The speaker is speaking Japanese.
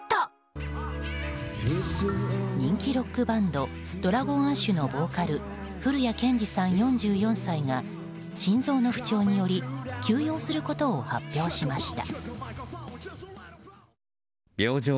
人気ロックバンドＤｒａｇｏｎＡｓｈのボーカル降谷建志さん、４４歳が心臓の不調により休養することを発表しました。